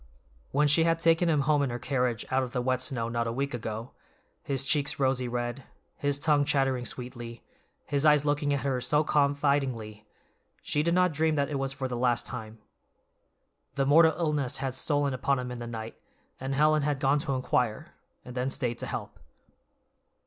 When she had taken him home in her carriage out of the wet snow not a week ago, his cheeks rosy red, his tongue chattering sweetly, his eyes looking at her so confidingly, she did not dream that it was for the last time. The mortal illness had stolen upon him in the night, and Helen had gone to inquire, and then stayed to help.